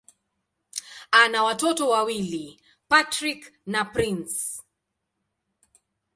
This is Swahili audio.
Ana watoto wawili: Patrick na Prince.